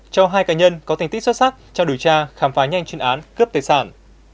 cho hai cá nhân có thành tích xuất sắc trao đổi tra khám phá nhanh chuyên án cướp tài sản